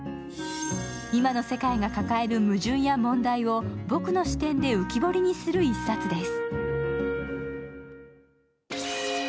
今の世界が抱える矛盾や問題をぼくの視点で浮き彫りにする一冊です。